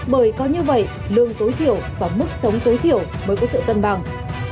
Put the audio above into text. bởi có như vậy lương tối thiểu và mức sống tối thiểu mới có sự cân bằng